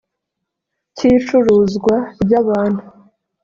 cy icuruzwa ry abantu